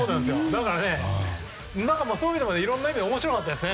だから、そういうのがいろんな意味で面白かったですね。